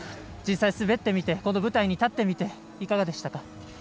実際滑ってみてこの舞台に立ってみていかがでしたか？